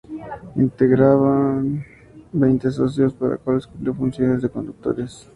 La integraban veinte socios los cuales cumplían funciones de conductores, mecánicos y de administración.